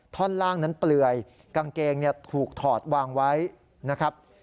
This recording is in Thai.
ท่อนล่างนั้นเปลือยกางเกงถูกถอดวางไว้นะครับ